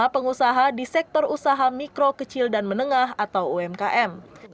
lima pengusaha di sektor usaha mikro kecil dan menengah atau umkm